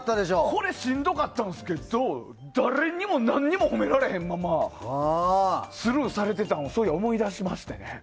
これ、しんどかったんですけど誰にも何にも褒められないままスルーされてたのを思い出しましてね。